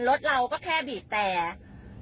รถเราก็แค่บีบแต่